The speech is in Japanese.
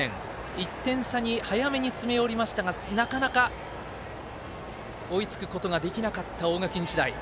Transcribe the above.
１点差に早めに詰め寄りましたがなかなか、追いつくことができなかった大垣日大。